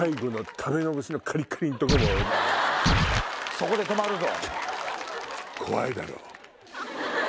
そこで止まるぞ。